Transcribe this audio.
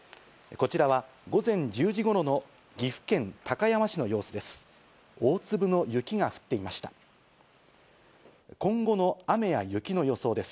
こちらは、午前１０時ごろの岐阜県高山市の様子です。